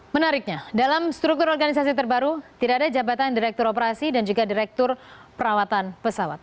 menariknya dalam struktur organisasi terbaru tidak ada jabatan direktur operasi dan juga direktur perawatan pesawat